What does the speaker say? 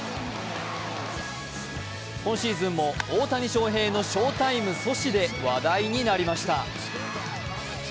今シーズンも大谷翔平の翔タイム阻止で話題になりました。